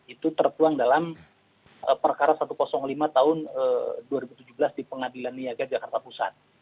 itu tertuang dalam perkara satu ratus lima tahun dua ribu tujuh belas di pengadilan niaga jakarta pusat